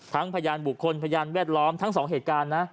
พยานบุคคลพยานแวดล้อมทั้งสองเหตุการณ์นะ